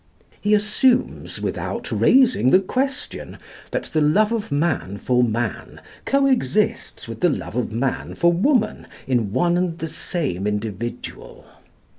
He assumes, without raising the question, that the love of man for man co exists with the love of man for woman in one and the same individual.